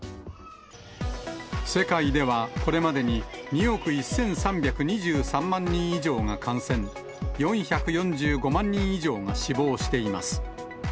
世界では、これまでに２億１３２３万人以上が感染、４４５万人以上が死亡しています。